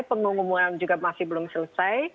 pengumuman juga masih belum selesai